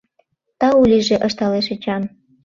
— Тау лийже! — ышталеш Эчан.